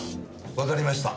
わかりました。